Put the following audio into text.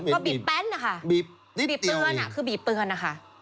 ก็บีบแป้นนะคะบีบเตือนคือบีบเตือนนะคะ